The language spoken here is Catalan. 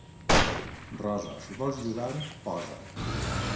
Rosa, si vols jugar, posa.